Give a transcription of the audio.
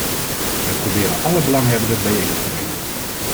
Wij proberen alle belanghebbenden bijeen te brengen.